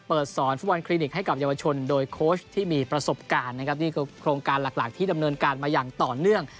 สอนฟุตบอลคลินิกให้กับเยาวชนโดยโค้ชที่มีประสบการณ์นะครับนี่คือโครงการหลักหลักที่ดำเนินการมาอย่างต่อเนื่อง